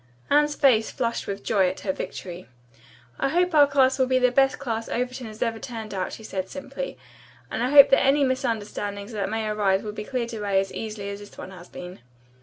Anne's face flushed with joy at her victory. "I hope 19 will be the best class Overton has ever turned out," she said simply, "and I hope that any misunderstandings that may arise will be cleared away as easily as this one has been."